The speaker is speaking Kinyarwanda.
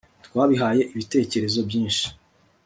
Twabihaye ibitekerezo byinshi